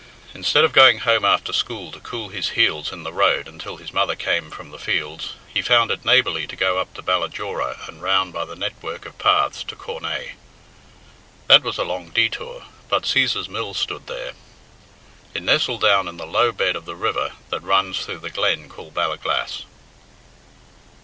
Instead of going home after school to cool his heels in the road until his mother came from the fields, he found it neighbourly to go up to Ballajora and round by the network of paths to Cornaa. That was a long detour, but Cæsar's mill stood there. It nestled down in the low bed of the river that runs through the glen called Ballaglass.